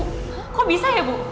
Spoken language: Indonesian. kok bisa ya bu